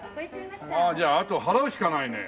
じゃああと払うしかないね。